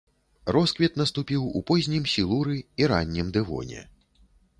Росквіт наступіў у познім сілуры і раннім дэвоне.